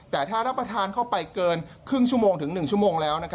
แต่ถ้ารับประทานเข้าไปเกินครึ่งชั่วโมงถึง๑ชั่วโมงแล้ว